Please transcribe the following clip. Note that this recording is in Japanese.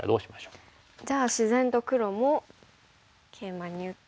じゃあ自然と黒もケイマに打って。